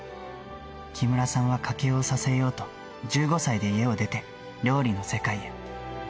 木村さんは家計を支えようと、１５歳で家を出て、料理の世界へ。